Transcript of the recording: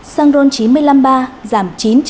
xăng ron chín mươi năm ba giảm